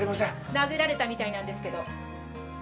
殴られたみたいなんですけど